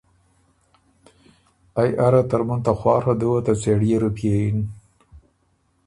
ائ اره ترمُن ته خواڒه دُوه ته څېړيې روپئے یِن،